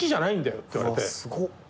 ・すごっ。